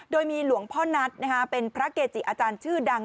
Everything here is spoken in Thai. โดยมีหลวงพ่อนัทเป็นพระเกจิอาจารย์ชื่อดัง